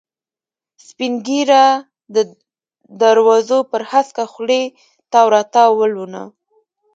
سپینه ږیره، د دروزو پر هسکه خولې تاو را تاو ولونه.